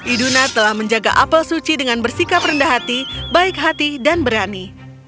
iduna telah menjaga apel suci dengan bersikap rendah hati baik hati dan berani